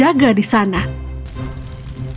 sehingga dia tidak repot repot menaruh penyihir